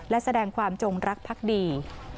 และแสดงความจงรักพักดี